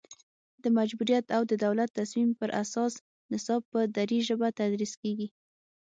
د مجبوریت او د دولت تصمیم پر اساس نصاب په دري ژبه تدریس کیږي